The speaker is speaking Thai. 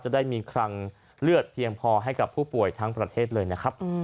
จะได้มีคลังเลือดเพียงพอให้กับผู้ป่วยทั้งประเทศเลยนะครับ